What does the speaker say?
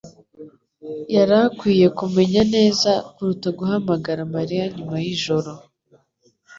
yari akwiye kumenya neza kuruta guhamagara Mariya nyuma yijoro